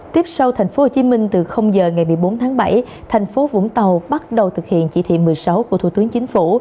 tiếp sau thành phố hồ chí minh từ giờ ngày một mươi bốn tháng bảy thành phố vũng tàu bắt đầu thực hiện chỉ thị một mươi sáu của thủ tướng chính phủ